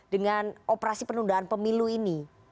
dengan operasi penundaan pemilu ini